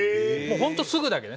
本当すぐだけどね。